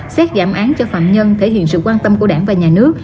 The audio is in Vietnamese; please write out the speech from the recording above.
xét giảm án cho phạm nhân thể hiện sự quan tâm của đảng và nhà nước